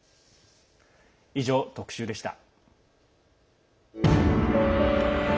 以上、特集でした。